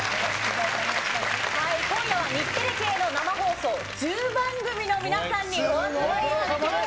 今夜は日テレ系の生放送１０番組の皆さんにお集まりいただきました。